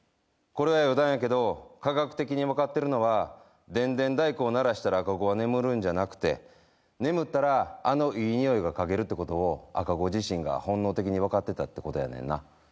これは余談やけど科学的に分かってるのはでんでん太鼓を鳴らしたら赤子は眠るんじゃなくて眠ったらあのいい匂いが嗅げるってことを赤子自身が本能的に分かってたってことやねんな。